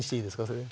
それ。